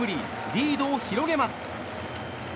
リードを広げます。